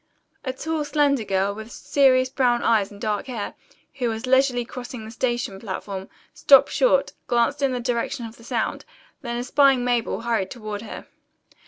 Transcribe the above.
A tall slender girl, with serious brown eyes and dark hair, who was leisurely crossing the station platform, stopped short, glanced in the direction of the sound, then espying Mabel hurried toward her.